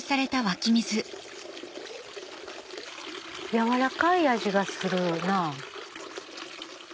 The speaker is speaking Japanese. やわらかい味がするな。